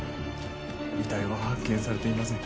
遺体は発見されていません。